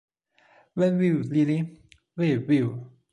We will, Lillie, we will!